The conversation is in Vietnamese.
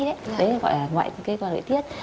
đấy là gọi là ngoại tiết